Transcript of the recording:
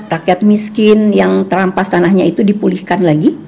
rakyat miskin yang terampas tanahnya itu dipulihkan lagi